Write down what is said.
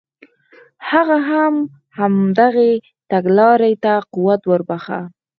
هغه هم همدغې تګلارې ته قوت ور وبخښه.